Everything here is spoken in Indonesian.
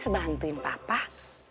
siapa lu dark